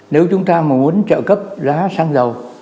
nếu chúng ta mà muốn trợ cấp giá xăng dầu